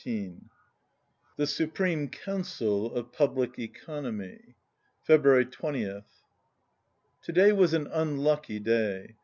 123 THE SUPREME COUNCIL OF PUBLIC ECONOMY February 20th. To day was an unlucky day.